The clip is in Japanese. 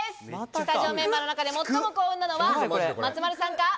スタジオメンバーの中で最も幸運なのは松丸さんか？